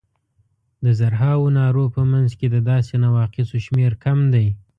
د زرهاوو نارو په منځ کې د داسې نواقصو شمېر کم دی.